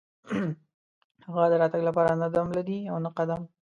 هغه د راتګ لپاره نه دم لري او نه قدم.